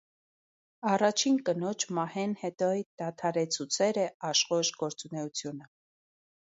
Առաջին կնոջ մահէն յետոյ դադրեցուցեր է աշխոյժ գործունէութիւնը։